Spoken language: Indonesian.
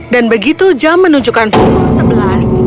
dan begitu jam menunjukkan pukul sebelas